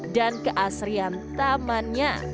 dan keasrian taman